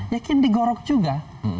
yakin digorok juga